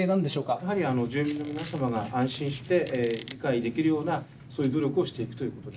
やはり住民の皆様が安心して理解できるようなそういう努力をしていくということで。